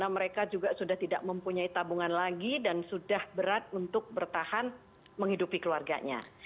mereka juga sudah tidak mempunyai tabungan lagi dan sudah berat untuk bertahan menghidupi keluarganya